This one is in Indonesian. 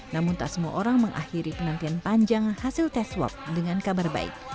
namun tak semua orang mengakhiri penantian panjang hasil tes swab dengan kabar baik